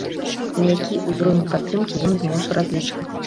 На які ўзровень падтрымкі ён зможа разлічваць?